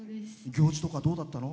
行事とかどうだったの？